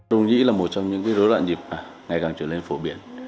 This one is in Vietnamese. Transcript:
dung nhĩ là một trong những dối loạn nhịp ngày càng trở lên phổ biến